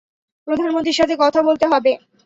প্রধানমন্ত্রীর সাথে কথা বলতে হবে।